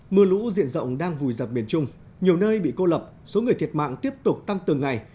mưa lũ diện rộng đang vùi dập miền trung nhiều nơi bị cô lập số người thiệt mạng tiếp tục tăng từng ngày